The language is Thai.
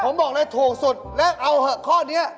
ผมบอกเลยถูกสุดแล้วเอาเหอะข้อนี้